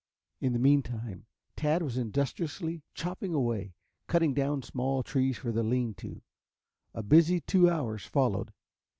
In the meantime Tad was industriously chopping away, cutting down small trees for the lean to. A busy two hours followed.